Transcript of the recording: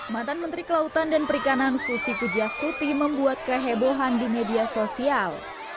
mantan menteri kelautan dan perikanan susi pujastuti membuat kehebohan di media sosial